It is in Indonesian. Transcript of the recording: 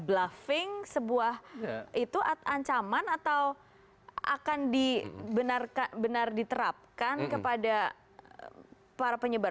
bluffing sebuah itu ancaman atau akan benar diterapkan kepada para penyebar